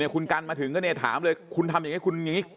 คุณกันมาถึงก็ถามเลยคุณทำอย่างนี้คุณอย่างนี้